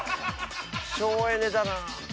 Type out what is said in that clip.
省エネだな。